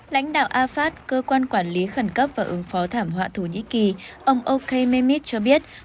lãnh đạo afad cơ quan quản lý khẩn cấp và ứng phó thảm họa thổ nhĩ kỳ ông o k mehmet cho biết